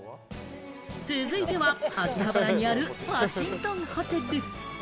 続いては秋葉原にあるワシントンホテル。